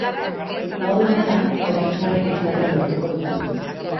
Modu honetan, originalena izatea lortuko duzu.